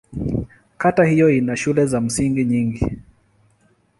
Kata hiyo ina shule za msingi nyingi.